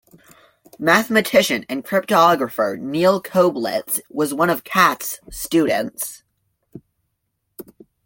Mathematician and cryptographer Neal Koblitz was one of Katz's students.